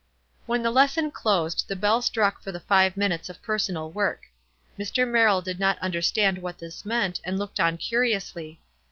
When the lesson closed the bell struck for the five minutes of personal work. Mr. Mer rill did not understand what this meant, and looked on curiously.